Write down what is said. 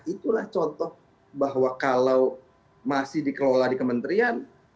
itulah contoh bahwa kalau masih dikelola di kementerian